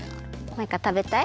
マイカたべたい？